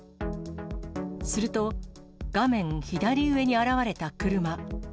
すると、画面左上に現れた車。